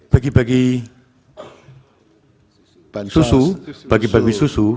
bagi bagi susu bagi bagi susu